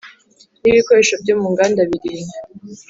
N ibikoresho byo mu nganda birinda